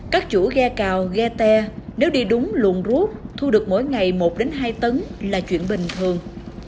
các chủ ghe cào ghe ter nếu đi đúng luồng rút thu được mỗi ngày một hai tấn là chuyện bình thường